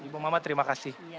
bu mamah terima kasih